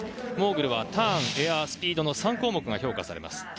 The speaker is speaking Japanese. モーグルはターン、エアスピードの３項目が評価されます。